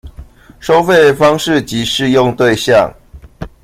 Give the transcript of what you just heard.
收費方式及適用對象